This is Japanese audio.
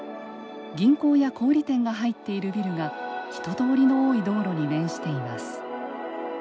銀行や小売店が入っているビルが人通りの多い道路に面しています。